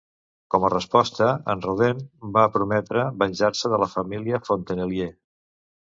Com a resposta, en Roden va prometre venjar-se de la família Fontenellier.